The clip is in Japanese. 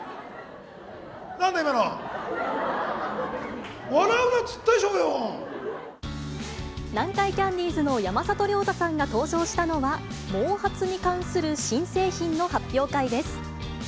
なんだ今の、南海キャンディーズの山里亮太さんが登場したのは、毛髪に関する新製品の発表会です。